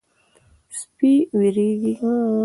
سپي وېرېږي.